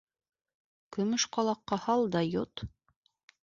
Көмөш ҡалаҡҡа һал да йот!